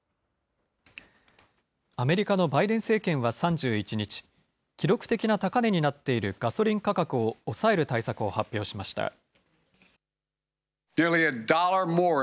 アメリカのバイデン政権は３１日、記録的な高値になっているガソリン価格を抑える対策を発表しました。